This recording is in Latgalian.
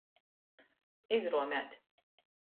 Izruomēt.